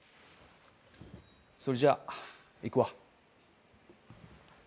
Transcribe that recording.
それじゃ行くわ。